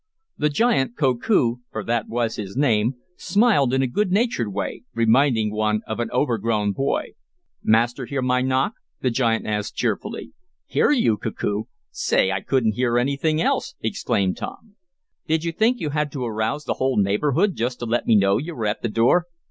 The giant, Koku, for that was his name, smiled in a good natured way, reminding one of an overgrown boy. "Master hear my knock?" the giant asked cheerfully. "Hear you, Koku? Say, I couldn't hear anything else!" exclaimed Tom. "Did you think you had to arouse the whole neighborhood just to let me know you were at the door?